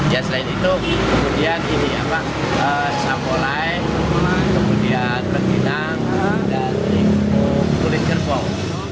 ya selain itu kemudian ini apa sapolai kemudian berginang dan kulit kerbau